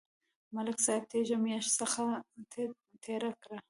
ملک صاحب تېره میاشت سخته تبه تېره کړه